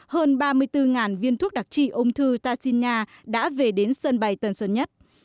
hơn ba mươi bốn viên thuốc đặc trị ôm thư tarsina đã về đến sân bay tần sơn nhất